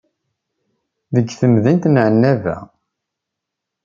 Deg temdint n Ɛennaba.